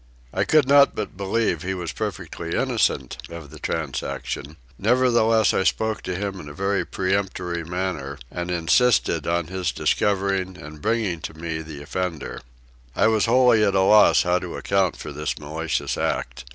I could not but believe he was perfectly innocent of the transaction; nevertheless I spoke to him in a very peremptory manner, and insisted upon his discovering and bringing to me the offender. I was wholly at a loss how to account for this malicious act.